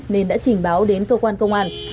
nên đã trình báo đến cơ quan công an